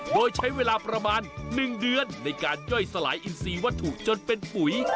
โดยใช้เวลาประมาณ๑เดือนในการย่อยสลายอินซีวัตถุจนเป็นปุ๋ย